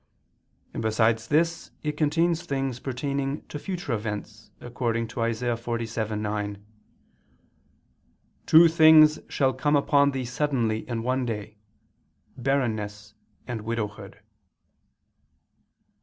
and besides this it contains things pertaining to future events, according to Isa. 47:9, "Two things shall come upon thee suddenly in one day, barrenness and widowhood."